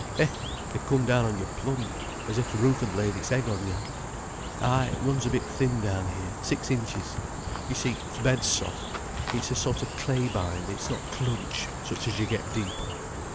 Eh, they come down on you plumb, as if th' roof had laid its egg on you. Ay, it runs a bit thin down here—six inches. You see th' bed's soft, it's a sort o' clay bind, it's not clunch such as you get deeper.